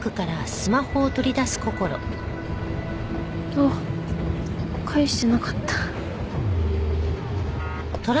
あっ返してなかった。